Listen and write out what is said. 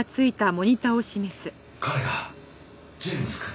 彼がジェームズくん？